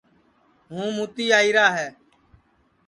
ہُوں مُوتی آئیرا ہے